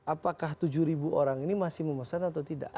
apakah tujuh ribu orang ini masih memesan atau tidak